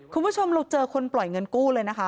คุณผู้ชมเราเจอคนปล่อยเงินกู้เลยนะคะ